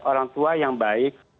orang tua yang baik